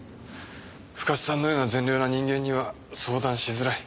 深津さんのような善良な人間には相談しづらい。